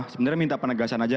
sebenarnya minta penegasan aja